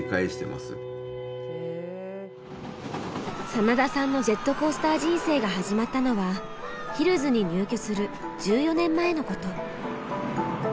真田さんのジェットコースター人生が始まったのはヒルズに入居する１４年前のこと。